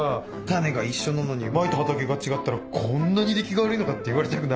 タネが一緒なのにまいた畑が違ったらこんなに出来が悪いのかって言われたくないし。